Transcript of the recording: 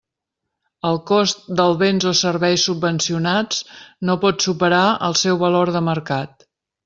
El cost dels béns o serveis subvencionats no pot superar el seu valor de mercat.